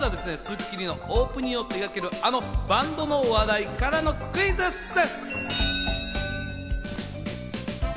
まずは『スッキリ』のオープニングを手がける、あのバンドの話題からのクイズッス！